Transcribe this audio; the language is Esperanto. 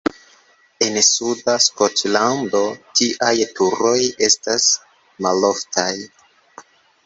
En suda Skotlando tiaj turoj estas maloftaj.